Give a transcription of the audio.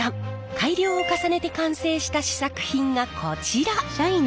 改良を重ねて完成した試作品がこちら！